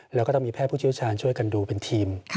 แล้วก็ต้องมีแพทย์ผู้เชี่ยวชาญช่วยกันดูเป็นทีม